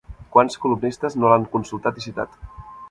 ¿Quants columnistes no l'han consultat i citat?